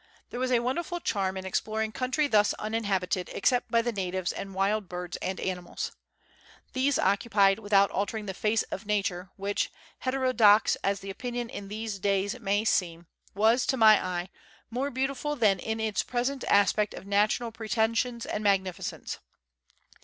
There was a wonderful charm in exploring country thus uninhabited except by the natives and wild birds and animals. These occupied, without altering the face of nature, which, heterodox as the opinion in these days may seem, was, to my eye, more beautiful than in its present aspect of national pretensions and " magnificence."